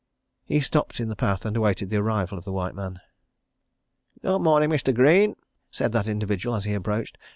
... He stopped in the path and awaited the arrival of the white man. "Good morning, Mr. Greene," said that individual, as he approached.